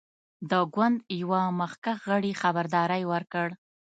د ګوند یوه مخکښ غړي خبرداری ورکړ.